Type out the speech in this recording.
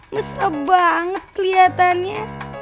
ngesel banget keliatannya